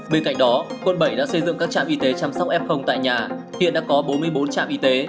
bên cạnh đó quận bảy đã xây dựng các trạm y tế chăm sóc f tại nhà hiện đã có bốn mươi bốn trạm y tế